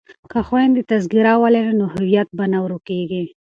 که خویندې تذکره ولري نو هویت به نه ورکيږي.